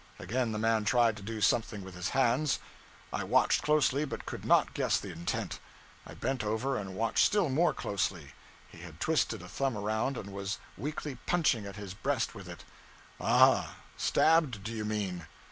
Again the man tried to do something with his hands. I watched closely, but could not guess the intent. I bent over and watched still more intently. He had twisted a thumb around and was weakly punching at his breast with it. 'Ah stabbed, do you mean?'